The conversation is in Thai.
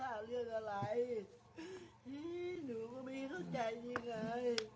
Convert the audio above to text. ล่าเรื่องอะไรหนูไม่เข้าใจดีไง